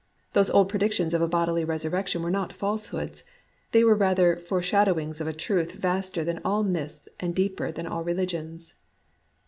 Those old predictions of a bodily resurrection were not falsehoods; they were rather foreshadowings of a truth vaster than all myths and deeper than all religions.